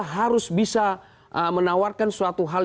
harus bisa menawarkan suatu hal